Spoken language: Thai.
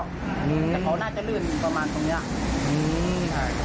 แต่เขาน่าจะลื่นประมาณตรงนี้